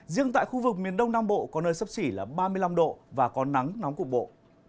riêng tại khu vực miền đông nam bộ có nơi sấp xỉ là ba mươi năm độ và có nắng nóng cục bộ